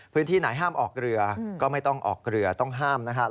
พื้นที่ไหนห้ามออกเรือก็ไม่ต้องออกเรือต้องห้ามนะครับ